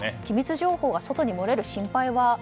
機密情報が外に漏れる心配は。